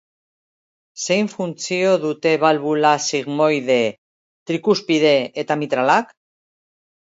Zein funtzio dute balbula sigmoide, trikuspide eta mitralak?